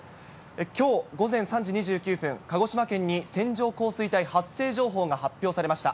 きょう午前３時２９分、鹿児島県に線状降水帯発生情報が発表されました。